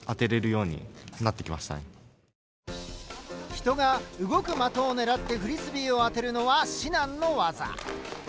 人が動く的を狙ってフリスビーを当てるのは至難の業。